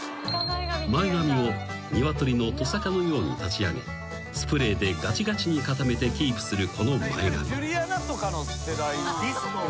［前髪を鶏のトサカのように立ち上げスプレーでがちがちに固めてキープするこの前髪］